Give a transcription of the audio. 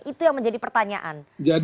itu yang menjadi pertanyaan